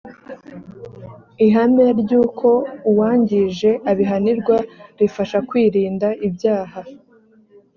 ihame ry’uko uwangije abihanirwa rifasha kwirinda ibyaha.